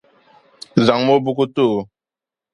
Zaŋmi O buku n ti o.